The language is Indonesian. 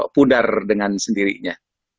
pudar dengan sendirinya